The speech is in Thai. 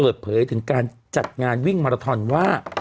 เปิดเผยถึงการจัดงานวิ่งมาราทอนว่า